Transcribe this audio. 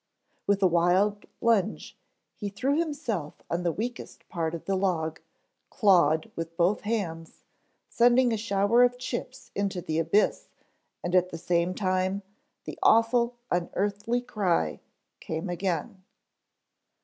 With a wild lunge he threw himself on the weakest part of the log, clawed with both hands, sending a shower of chips into the abyss and at the same time, the awful unearthly cry came again.